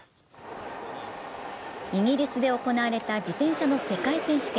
イギリスで行われた自転車の世界選手権。